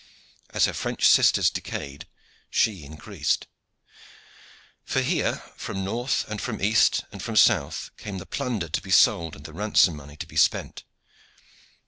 As her French sisters decayed she increased, for here, from north, and from east, and from south, came the plunder to be sold and the ransom money to be spent.